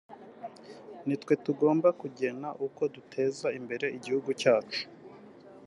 Ni twe tugomba kugena uko duteza imbere igihugu cyacu